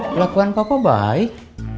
kelakuan papa baik